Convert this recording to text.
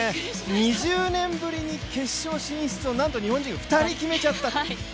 ２０年ぶりに決勝進出をなんと日本人が２人決めちゃった。